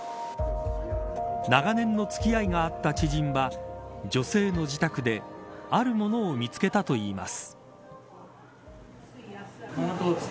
長年の付き合いがあった知人は女性の自宅であるものを見つけたといいます。